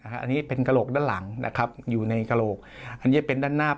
อันนี้เป็นกระโหลกด้านหลังนะครับอยู่ในกระโหลกอันนี้เป็นด้านหน้า